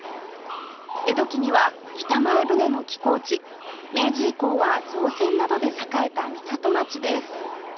江戸期には北前船の寄港地明治以降は造船などで栄えた港町です